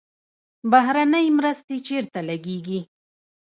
بهرنۍ مرستې چیرته لګیږي؟